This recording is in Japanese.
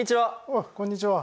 あっこんにちは。